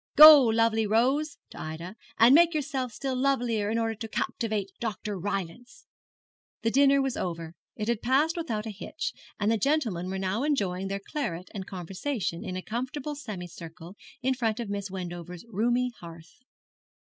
Go, lovely rose' to Ida 'and make yourself still lovelier in order to captivate Dr. Rylance.' The dinner was over. It had passed without a hitch, and the gentlemen were now enjoying their claret and conversation in a comfortable semicircle in front of Miss Wendover's roomy hearth.